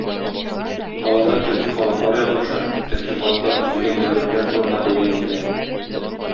Аларда төрки халыклар язмышы, төрки халыклар төзегән дәүләтләр турында бәян ителә.